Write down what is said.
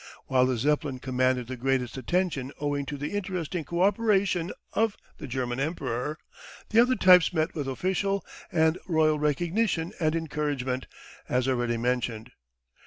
While the Zeppelin commanded the greatest attention owing to the interesting co operation of the German Emperor, the other types met with official and royal recognition and encouragement as already mentioned.